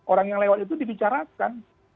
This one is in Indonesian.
orang yang lewat itu dibicarakan